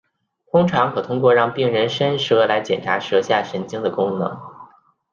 通常可通过让病人伸舌来检查舌下神经的功能。